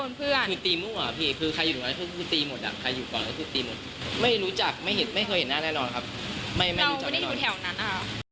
ไม่ไม่รู้จักแน่นอนเราไม่ได้อยู่แถวนั้นอ่ะ